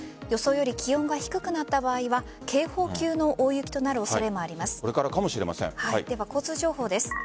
予想より気温が低くなった場合は警報級の大雪となる恐れもあります。